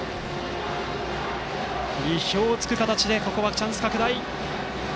意表を突く形でここはチャンス拡大。